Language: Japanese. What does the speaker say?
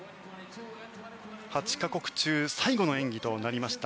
８か国中最後の演技となりました